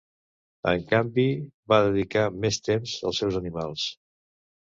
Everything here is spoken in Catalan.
En canvi, va dedicar més temps als seus animals.